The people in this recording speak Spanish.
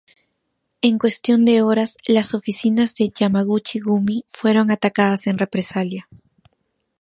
En cuestión de horas, las oficinas de Yamaguchi-gumi fueron atacadas en represalia.